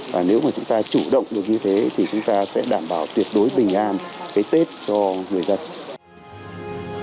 và nếu mà chúng ta chủ động được như thế thì chúng ta sẽ đảm bảo tuyệt đối bình an cái tết cho người dân